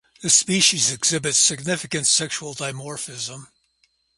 This species exhibits significant Sexual dimorphism.